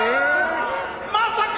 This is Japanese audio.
まさか！